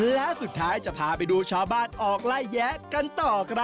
และสุดท้ายจะพาไปดูชาวบ้านออกไล่แยะกันต่อครับ